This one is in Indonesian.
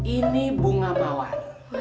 ini bunga mawar